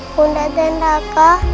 yunda dan raka